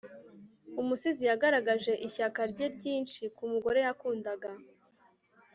umusizi yagaragaje ishyaka rye ryinshi ku mugore yakundaga